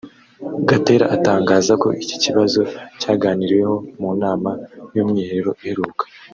Gatera atangaza ko iki kibazo cyaganiriweho mu nama y’Umwiherero iheruka